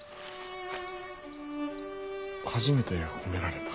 初めて褒められた。